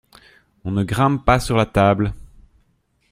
On ne grimpe pas sur la table.